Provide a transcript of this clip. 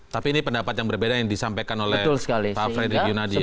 tapi ini pendapat yang berbeda yang disampaikan oleh pak fredrik yunadi